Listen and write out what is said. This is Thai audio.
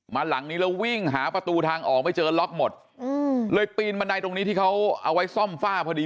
หลังนี้แล้ววิ่งหาประตูทางออกไม่เจอล็อกหมดอืมเลยปีนบันไดตรงนี้ที่เขาเอาไว้ซ่อมฝ้าพอดี